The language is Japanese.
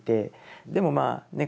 でもまあね